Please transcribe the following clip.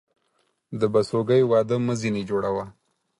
د بسوگى واده مه ځيني جوړوه.